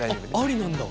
ありなんだ。